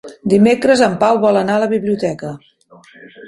Dimecres en Pau vol anar a la biblioteca.